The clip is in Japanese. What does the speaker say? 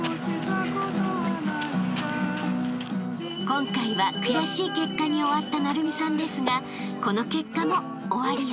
［今回は悔しい結果に終わった晟弓さんですがこの結果もオワリはじまり］